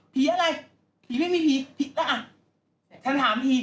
พี่ม้าเขา